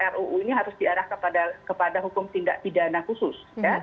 ruu ini harus diarah kepada hukum tindak pidana khusus